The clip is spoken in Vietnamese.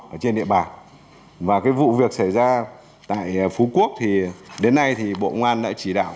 ở trên địa bàn và cái vụ việc xảy ra tại phú quốc thì đến nay thì bộ ngoan đã chỉ đạo